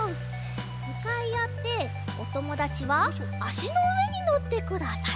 むかいあっておともだちはあしのうえにのってください。